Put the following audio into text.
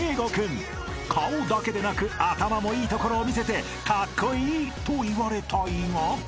［顔だけでなく頭もいいところを見せてカッコイイといわれたいが］